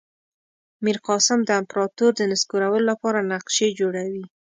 میرقاسم د امپراطور د نسکورولو لپاره نقشې جوړوي.